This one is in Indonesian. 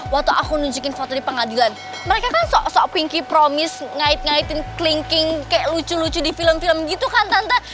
waktu aku nunjukin foto di pengadilan mereka kan sok pinky promis ngait ngaitin klinking kayak lucu lucu di film film gitu kan tanta